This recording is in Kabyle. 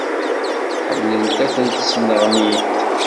ḥemmlent ad tent-sneɣnint.